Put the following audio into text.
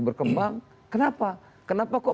berkembang kenapa kenapa kok